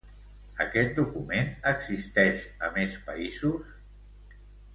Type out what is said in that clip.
Aquest document existeix a més països?